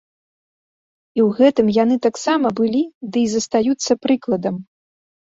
І ў гэтым яны таксама былі дый застаюцца прыкладам.